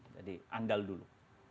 jadi andal dulu